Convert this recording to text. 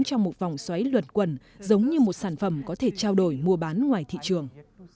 trong một vòng xoáy luật quẩn giống như một sản phẩm có thể trao đổi mua bán ngoài thị trường